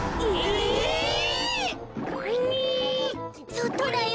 そっとだよ。